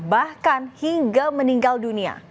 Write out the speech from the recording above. bahkan hingga meninggal dunia